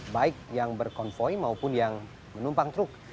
baik yang berkonvoy maupun yang menumpang truk